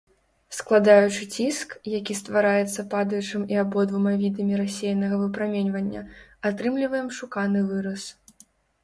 Складаючы ціск, які ствараецца падаючым і абодвума відамі рассеянага выпраменьвання, атрымліваем шуканы выраз.